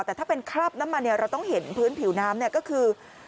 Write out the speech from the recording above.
แต่ถ้าเป็นคราบน้ำมันเราต้องเห็นพื้นผิวน้ำก็คือ